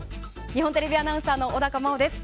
日本テレビアナウンサーの小高茉緒です。